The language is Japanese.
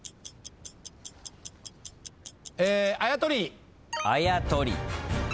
あやとり。